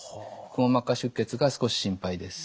くも膜下出血が少し心配です。